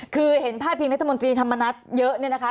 คือเห็นพาดพิงรัฐมนตรีธรรมนัฐเยอะเนี่ยนะคะ